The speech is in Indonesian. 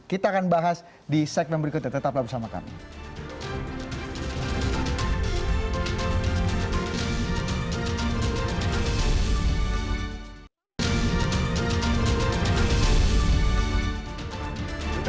kita akan bahas di segmen berikutnya tetaplah bersama kami